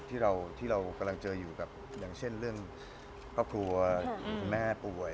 ที่เรากำลังเจออยู่กับอย่างเช่นเรื่องครอบครัวคุณแม่ป่วย